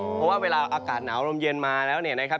เพราะว่าเวลาอากาศหนาวลมเย็นมาแล้วเนี่ยนะครับ